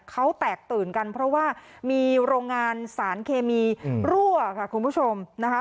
เขาแตกตื่นกันเพราะว่ามีโรงงานสารเคมีรั่วค่ะคุณผู้ชมนะคะ